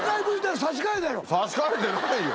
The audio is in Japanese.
差し替えてないよ。